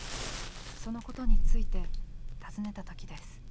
そのことについて尋ねた時です。